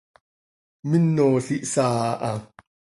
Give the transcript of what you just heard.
Minol ihsaa aha.